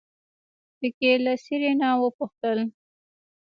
په کې له سېرېنا وپوښتل.